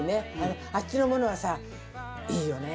あっちのものはさいいよね。